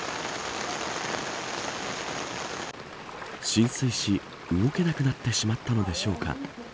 浸水し、動けなくなってしまったのでしょうか。